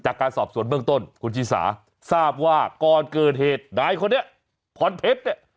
จากการสอบสวนเบื้องต้นคุณชิสาทราบว่าก่อนเกิดเหตุนายคนนี้พรเพชรเนี่ย